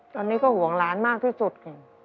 ตอนนี้ก็ห่วงหลานมากที่สุดค่ะ